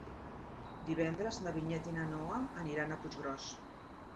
Divendres na Vinyet i na Noa aniran a Puiggròs.